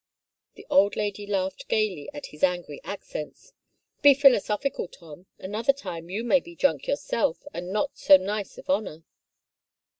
The old lady laughed gayly at his angry accents. " Be philosophical, Tom — another time you may be drunk yourself and not so nice of honor!